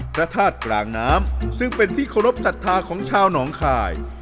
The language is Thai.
พระธาตุกลางน้ำซึ่งเป็นที่เคารพสัทธาของชาวหนองคาย